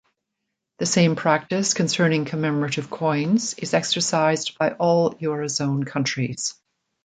The same practice concerning commemorative coins is exercised by all eurozone countries.